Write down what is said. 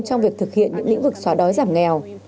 trong việc thực hiện những lĩnh vực xóa đói giảm nghèo